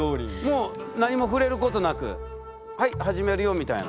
もう何も触れることなくはい始めるよみたいな。